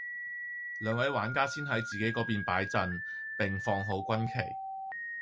兩位玩家先喺自己嗰邊排陣並放好軍旗